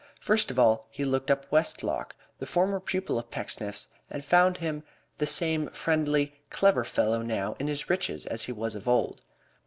First of all he looked up Westlock, the former pupil of Pecksniff's, and found him the same friendly, clever fellow now in his riches as he was of old.